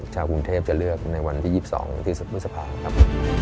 ชาวกรุงเทพจะเลือกในวันที่๒๒ที่วิทยาภาพครับ